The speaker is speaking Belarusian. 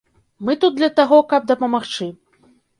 Мы тут для таго, каб дапамагчы.